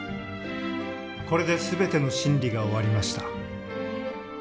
これで全ての審理が終わりました。